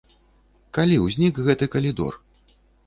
Калі ўзнік гэты калідор?